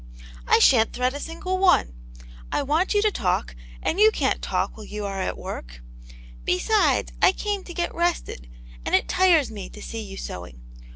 " I sha*n*t thread a single one ; I want you to talk, and you can*t talk when you are at work. Besides, I came to get rested, and it tires me to see you sewing.